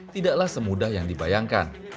tidaklah semudah yang dibayangkan